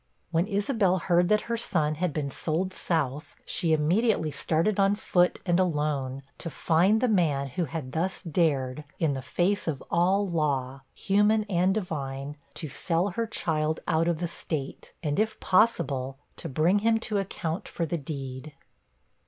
When Isabel heard that her son had been sold South, she immediately started on foot and alone, to find the man who had thus dared, in the face of all law, human and divine, to sell her child out of the State; and if possible, to bring him to account for the deed.